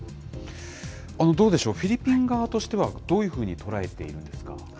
どうでしょう、フィリピン側としてはどういうふうに捉えているんですか。